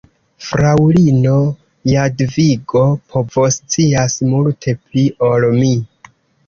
Fraŭlino Jadvigo povoscias multe pli ol mi.